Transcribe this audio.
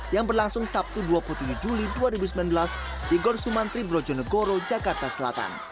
yang berlangsung sabtu dua puluh tujuh juli dua ribu sembilan belas di gor sumantri brojonegoro jakarta selatan